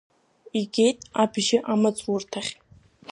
Игеит абжьы амаҵурҭахьтә.